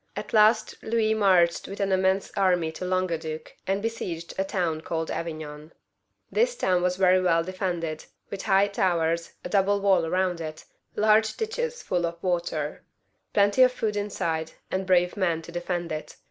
At last Louis marched with an immense army into Languedoc, and besieged a town called Avignon, This town was very well defended, with high towers, a double wall round it, large ditches full of water ; plenty of food inside, and brave men to defend it.